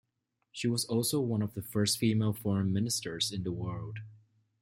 She was also one of the first female foreign ministers in the world.